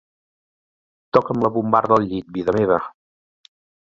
Toca'm la bombarda al llit, vida meva.